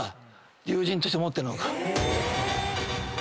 友人として思ってるのか。